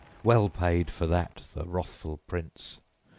Well paid for that the wrathful prince!